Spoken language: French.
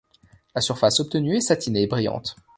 La surface obtenue est satinée brillante.